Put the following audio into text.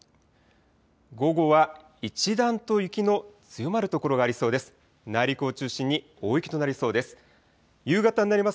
午後は一段と雪の強まる所がありそうです。